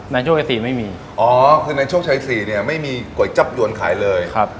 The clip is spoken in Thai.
ในช่วงชาย๔ไม่มีอ๋อคือในช่วงชาย๔เนี่ยไม่มีก๋วยจับหยวนขายเลยครับ